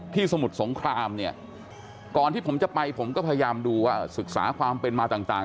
สมุทรสงครามเนี่ยก่อนที่ผมจะไปผมก็พยายามดูว่าศึกษาความเป็นมาต่าง